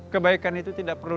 kebaikan itu tidak perlu